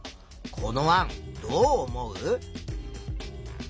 この案どう思う？